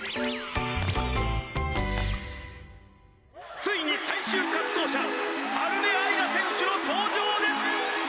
ついに最終滑走者春音あいら選手の登場です！